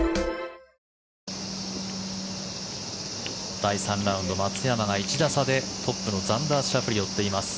第３ラウンド松山が１打差でトップのザンダー・シャフリーを追っています。